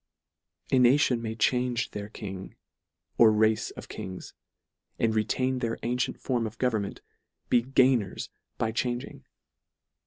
A nation may change their King or race of Kings, and re tain their antient form of government, be gainers by changing.